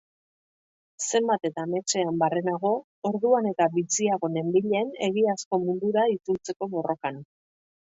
Zenbat eta ametsean barrenago, orduan eta biziago nenbilen egiazko mundura itzultzeko borrokan.